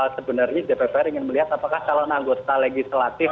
sebenarnya dpr ingin melihat apakah calon anggota legislatif